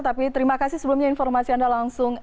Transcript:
tapi terima kasih sebelumnya informasi anda langsung